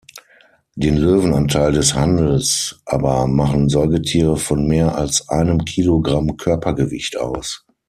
Den Löwenanteil des Handels aber machen Säugetiere von mehr als einem Kilogramm Körpergewicht aus.